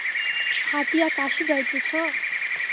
হাঁটিয়া Kashi যাইতেছ?